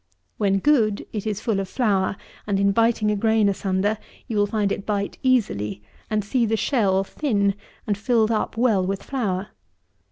When good, it is full of flour, and in biting a grain asunder, you find it bite easily, and see the shell thin and filled up well with flour.